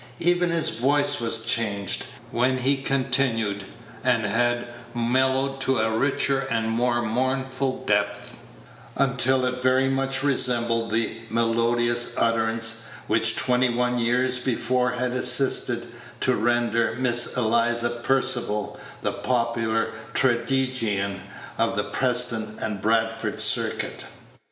Even his voice was changed when he continued, and had mellowed to a richer and more mournful depth, until it very much resembled the melodious utterance which twenty one years before had assisted to render Miss Eliza Percival the popular tragedian of the Preston and Bradford circuit.